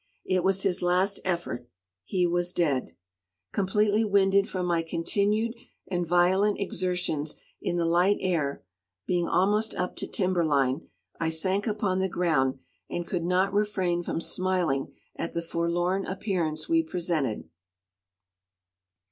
It was his last effort; he was dead. Completely winded from my continued and violent exertions in the light air, being almost up to timber line, I sank upon the ground, and could not refrain from smiling at the forlorn appearance we presented.